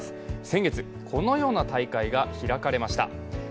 先月、このような大会が開かれました。